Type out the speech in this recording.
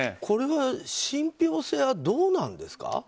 これは信ぴょう性はどうなんですか。